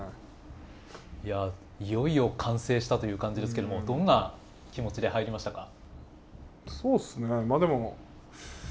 いやいよいよ完成したという感じですけどもどんな気持ちで入りましたか？